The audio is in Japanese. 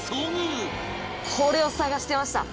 これを探してました。